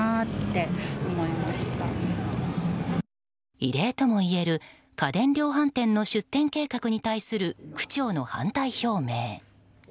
異例ともいえる家電量販店の出店計画に対する区長の反対表明。